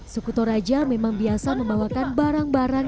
sukuto raja memang biasa membawakan barang barang